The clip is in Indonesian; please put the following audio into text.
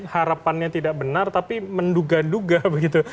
harapannya tidak benar tapi menduga duga begitu